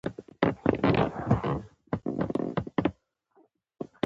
د خدای په اړه داسې خبرې وشي.